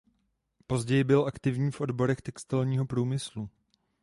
Později byl aktivní v odborech textilního průmyslu.